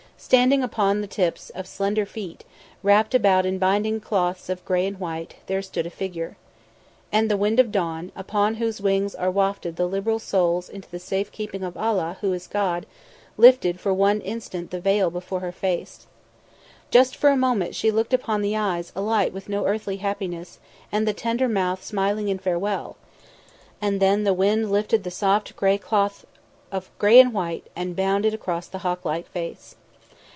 standing upon the tips of slender feet, wrapped about in binding cloths of grey and white, there stood a figure. And the wind of dawn, upon whose wings are wafted the liberated souls into the safe keeping of Allah, who is God, lifted for one instant the veil from before the face. Just for a moment she looked upon the eyes alight with no earthly happiness and the tender mouth smiling in farewell, and then the wind lifted the soft cloth of grey and white and bound it across the hawklike face.